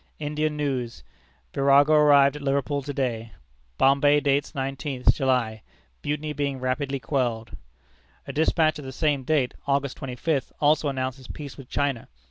Indian news. Virago arrived at Liverpool to day; Bombay dates nineteenth July. Mutiny being rapidly quelled." A despatch of the same date, August twenty fifth, also announces peace with China.